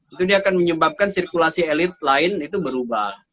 itu dia akan menyebabkan sirkulasi elit lain itu berubah